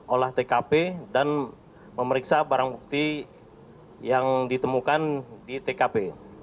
olah tkp dan memeriksa barang bukti yang ditemukan di tkp